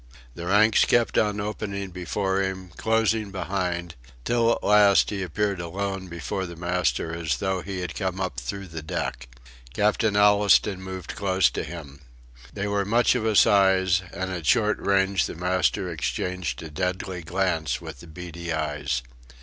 The ranks kept on opening before him, closing behind, till at last he appeared alone before the master as though he had come up through the deck. Captain Allistoun moved close to him. They were much of a size, and at short range the master exchanged a deadly glance with the beady eyes.